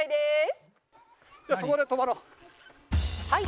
「はい。